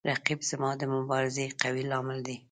رقیب زما د مبارزې قوي لامل دی